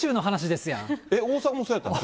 大阪もそうやった？